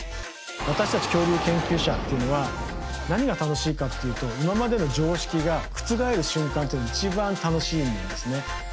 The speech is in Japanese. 私たち恐竜研究者っていうのは何が楽しいかっていうと今までの常識が覆る瞬間っていうのが一番楽しいんですね。